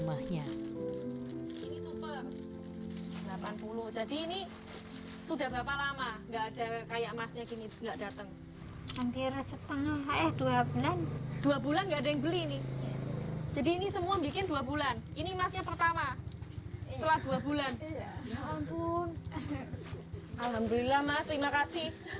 alhamdulillah mas terima kasih